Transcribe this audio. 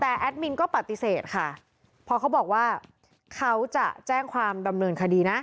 แต่แอดมินก็ปฏิเสธค่ะเพราะเขาบอกว่าเขาจะแจ้งความดำเนินคดีนะ